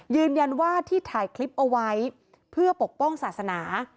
ยืนยันว่าที่ถ่ายคลิปเอาไว้เพื่อปกป้องศาสนา